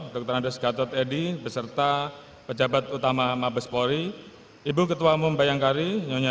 dr andes gatot edi beserta pejabat utama mabes polri ibu ketua umum bayangkari nyonya